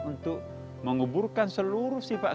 untuk menguburkan seluruh masa lampau kita